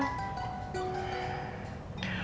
gimana kalau kita ke rumah mbak dia